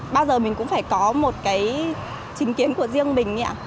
bao giờ mình cũng phải có một cái trình kiến của riêng mình ạ